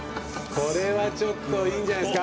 これはちょっといいんじゃないですか。